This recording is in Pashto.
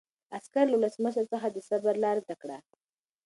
عسکر له ولسمشر څخه د صبر لاره زده کړه.